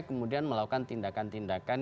kemudian melakukan tindakan tindakan